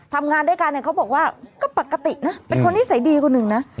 ทำงานด้วยกันเนี่ยเขาบอกว่าก็ปกตินะเป็นคนนิสัยดีคนหนึ่งนะ